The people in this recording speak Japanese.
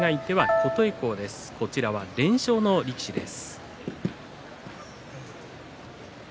琴恵光は連勝の力士です。